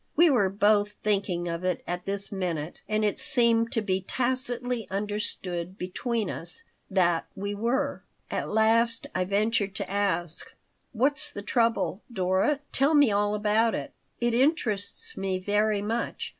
We were both thinking of it at this minute, and it seemed to be tacitly understood between us that we were At last I ventured to ask: "What's the trouble, Dora: Tell me all about it. It interests me very much."